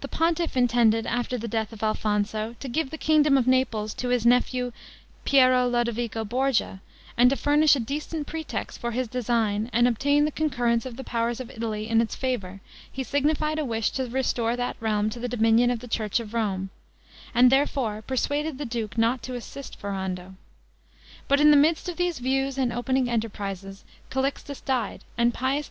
The pontiff intended, after the death of Alfonso, to give the kingdom of Naples to his nephew Piero Lodovico Borgia, and, to furnish a decent pretext for his design and obtain the concurrence of the powers of Italy in its favor he signified a wish to restore that realm to the dominion of the church of Rome; and therefore persuaded the duke not to assist Ferrando. But in the midst of these views and opening enterprises, Calixtus died, and Pius II.